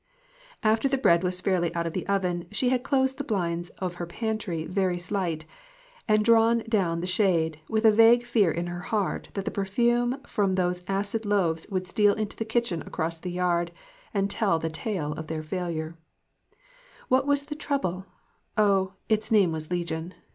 After that bread was fairly out of the oven, she had closed the blinds of her pantry very tight, and drawn down the shade, with a vague fear in her heart that the perfume from those acid loaves would steal into the kitchen across the yard, and tell their tale of failure. What was the trouble? Oh, "its name was legion."